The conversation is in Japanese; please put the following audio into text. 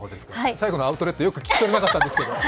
最後のアウトレット、よく聞き取れなかったんですけど。